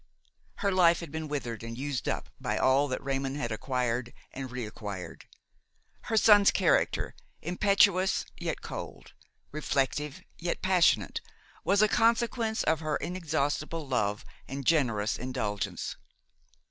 Her life had been withered and used up by all that Raymon had acquired and reacquired. Her son's character, impetuous yet cold, reflective yet passionate, was a consequence of her inexhaustible love and generous indulgence.